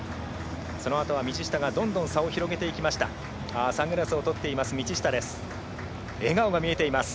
そのあとは、道下がどんどん差を広げていきました。